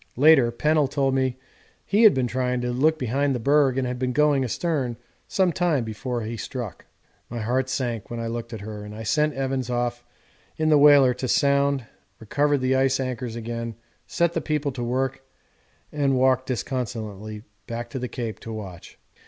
Later Pennell told me he had been trying to look behind the berg and had been going astern some time before he struck. My heart sank when I looked at her and I sent Evans off in the whaler to sound, recovered the ice anchors again, set the people to work, and walked disconsolately back to the Cape to watch.